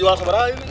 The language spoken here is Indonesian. dijual seberang ini